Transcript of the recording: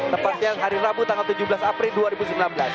tepatnya hari rabu tanggal tujuh belas april dua ribu sembilan belas